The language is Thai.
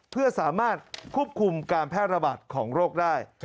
เพื่อสามารถควบคุมการแพร่ระบาดของโรคได้